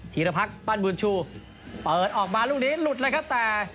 ีรพักษ์ปั้นบุญชูเปิดออกมาลูกนี้หลุดเลยครับแต่